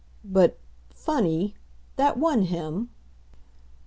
But funny? that won him.